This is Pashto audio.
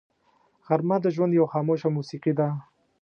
غرمه د ژوند یوه خاموش موسیقي ده